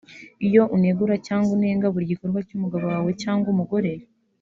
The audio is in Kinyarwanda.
Iyo unegura cyangwa ukanenga buri gikorwa cy’umugabo wawe cyangwa umugore